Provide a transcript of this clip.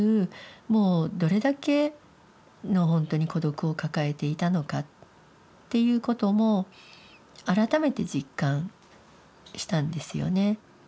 もうどれだけのほんとに孤独を抱えていたのかっていうことも改めて実感したんですよね。